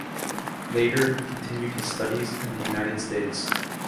Later he continued his studies in the United States.